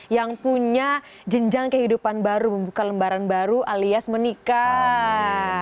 yang punya jenjang kehidupan baru membuka lembaran baru alias menikah